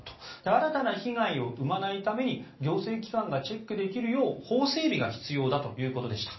新たな被害を生まないために行政機関がチェックできるよう法整備が必要だということでした。